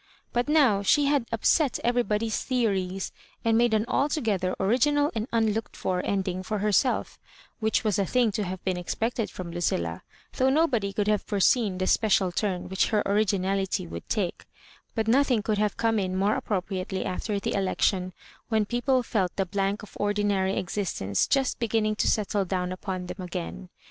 Bnt now she had upset everybody's theories, and made an altogether original and unlooked for ending for herself, which was a thing to have been ex pected from Lucilla, though nobody could have foreseen the special turn which her originality would take, but nothing could have come in more appropriately after the election, when peo ple felt the blank of ordinary existence just be ginning to settle down upon them again.